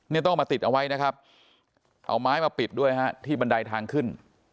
นี่ต้องเอามาติดเอาไว้นะครับเอาไม้มาปิดด้วยฮะที่บันไดทางขึ้น